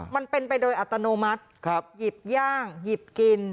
มันเป็นไปโดยอัตโนมัติหยิบย่างหยิบกิน